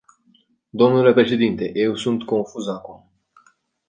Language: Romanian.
Dle președinte, eu sunt confuză acum.